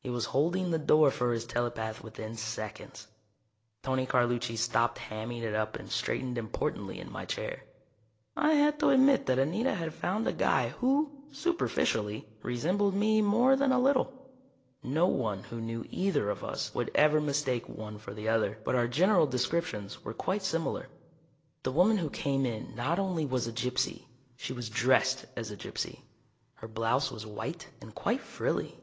He was holding the door for his telepath within seconds. Tony Carlucci stopped hamming it up and straightened importantly in my chair. I had to admit that Anita had found a guy who, superficially, resembled me more than a little. No one who knew either of us would ever mistake one for the other, but our general descriptions were quite similar. The woman who came in not only was a gypsy, she was dressed as a gypsy. Her blouse was white, and quite frilly.